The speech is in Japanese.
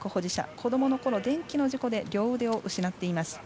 子どものころ、電気の事故で両腕を失っています。